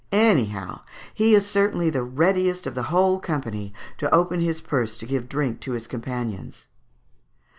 Anyhow, he is certainly the readiest of the whole company to open his purse to give drink to his companions."